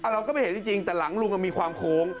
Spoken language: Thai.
เราก็ไม่เห็นจริงแต่หลังลุงมีความโค้ง